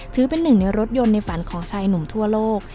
ถือเป็นหนึ่งในรถยนต์ในฝันของชายหนุ่มทั่วโลก